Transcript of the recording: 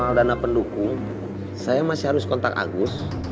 kalau dana pendukung saya masih harus kontak agus